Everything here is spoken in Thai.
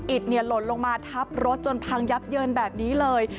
อิดเนียนลนลงมาทับรถจนพังยับเยินแบบนี้เลย